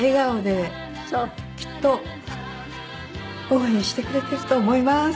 応援してくれていると思います。